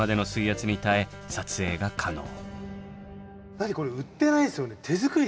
だってこれ売ってないですよね？